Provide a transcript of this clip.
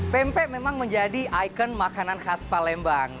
pempek memang menjadi ikon makanan khas palembang